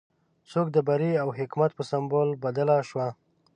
څوکه د بري او حکمت په سمبول بدله شوه.